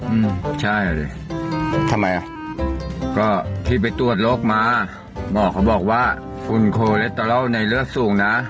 อืมใช่อ่ะดิทำไมอ่ะก็พี่ไปตรวจโรคมาหมอเขาบอกว่าฝุ่นโคเลสเตอรอลในเลือดสูงนะ